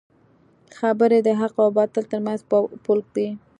خبرې د حق او باطل ترمنځ پول دی